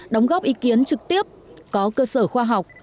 đóng góp ý kiến trực tiếp có cơ sở khoa học